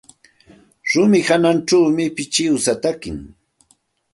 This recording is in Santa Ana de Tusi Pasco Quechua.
Rumi hawanćhawmi pichiwsa taki.